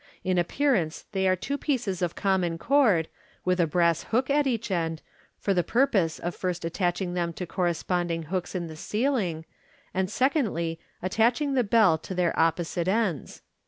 In appearance they are two pieces of common cord, with a brass hook at each end, for the purpose of first attaching them to corresponding hooks in the ceil ing, and, secondly, attaching the bell to their opposite ends.